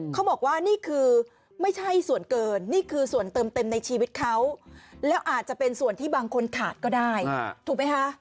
เขาบอกว่านี่คือไม่ใช่ส่วนเกินนี่คือส่วนเติมเต็มในชีวิตเขาแล้วอาจจะเป็นส่วนที่บางคนขาดก็ได้ถูกไหมคะ